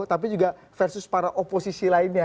tapi juga versus para oposisi lainnya